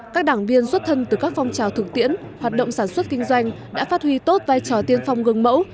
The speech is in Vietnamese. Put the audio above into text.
các đảng viên xuất thân từ các phong trào thực tiễn hoạt động sản xuất kinh doanh đã phát huy tốt vai trò tiên phong gương mẫu